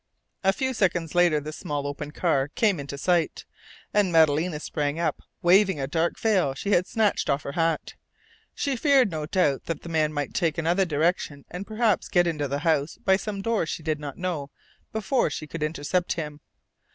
A few seconds later the small open car came into sight, and Madalena sprang up, waving a dark veil she had snatched off her hat. She feared, no doubt, that the man might take another direction and perhaps get into the house by some door she did not know before she could intercept him.